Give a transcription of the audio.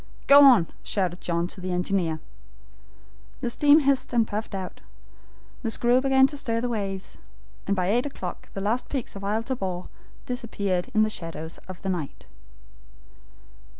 "Go on!" shouted John to the engineer. The steam hissed and puffed out, the screw began to stir the waves, and by eight o'clock the last peaks of Isle Tabor disappeared in the shadows of the night.